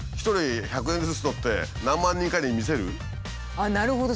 あっなるほど。